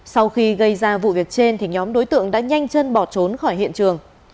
sau khi gây ra vụ việc trên thì nhóm đối tượng đã nhanh chân bỏ trốn khỏi hiện trường